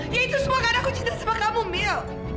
ya itu semua karena aku cinta sama kamu mia